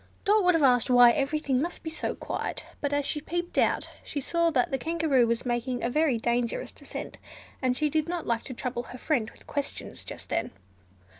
Dot would have asked why everything must be so quiet; but as she peeped out, she saw that the Kangaroo was making a very dangerous descent, and she did not like to trouble her friend with questions just then.